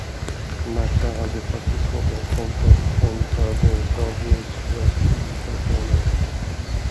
Märta hade faktiskt fått en chock då hon hörde Dagnys röst i telefon.